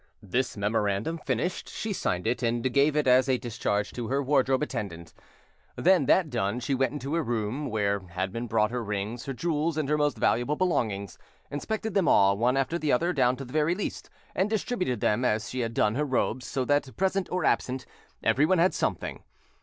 This memorandum finished, she signed it, and gave it as a discharge to her wardrobe attendant. Then, that done, she went into her room, where had been brought her rings, her jewels, and her most valuable belongings; inspected them all, one after the other, down to the very least; and distributed them as she had done her robes, so that, present or absent, everyone had something.